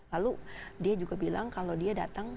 lalu dia juga bilang kalau dia datang